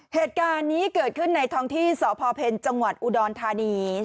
เหตุการณ์นี้เกิดขึ้นในท้องที่สพเพ็ญจังหวัดอุดรธานี